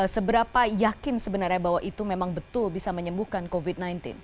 seberapa yakin sebenarnya bahwa itu memang betul bisa menyembuhkan covid sembilan belas